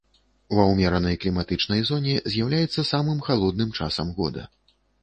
Ва ўмеранай кліматычнай зоне з'яўляецца самым халодным часам года.